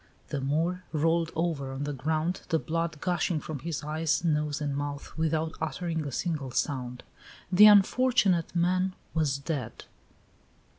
The Moor rolled over on the ground, the blood gushing from his eyes, nose, and mouth, without uttering a single sound. The unfortunate man was dead.